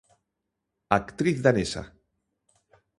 Actriz danesa.